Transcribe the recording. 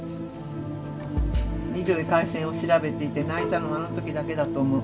ミッドウェー海戦を調べていて泣いたのはあの時だけだと思う。